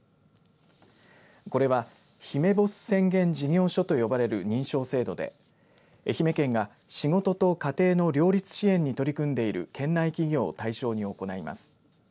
これはひめボス宣言事業所と呼ばれる認証制度で愛媛県が仕事と家庭の両立支援に取り組んでいる県内企業を対象に行います。